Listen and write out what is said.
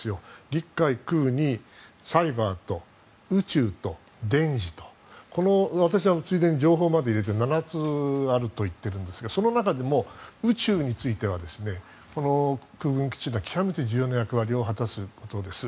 陸海空にサイバーと宇宙と電子と私は情報も入れて７つあるといってるんですがその中でも宇宙についてはこの空軍基地が極めて重要な役割を果たすものです。